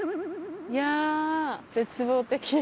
いやー絶望的。